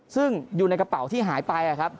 ซึ่งอยู่ในกระเป๋าที่หายไปครับ